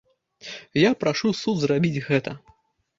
Я прашу суд зрабіць гэта.